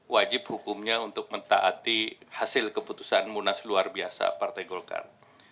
wajib hukumnya untuk mentaati hasil keputusan munas luar biasa partai golkar